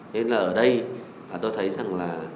nên là ở đây tôi thấy rằng là